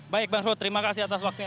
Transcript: baik bang sud terima kasih atas waktunya